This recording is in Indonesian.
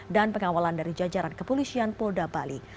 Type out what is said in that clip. dan pengawalan dari jajaran kepolisian polda bali